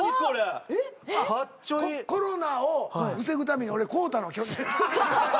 コロナを防ぐために俺買うたの去年。